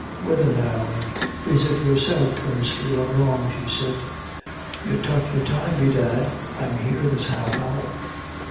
"Whethen now, and is it yourself come streelin' along?" she said. "You tuk your time, bedad. I'm here this half hour."